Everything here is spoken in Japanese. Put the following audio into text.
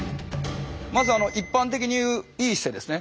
まず一般的に言う良い姿勢ですよね。